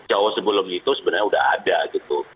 jauh sebelum itu sebenarnya sudah ada gitu